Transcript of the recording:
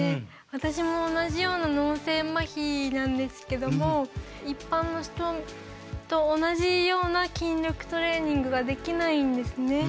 私も同じような脳性まひなんですけども一般の人と同じような筋力トレーニングができないんですね。